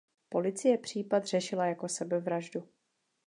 Policie případ řešila jako sebevraždu.